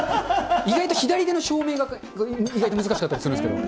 意外と左手の照明が意外と難しかったりするんですけど。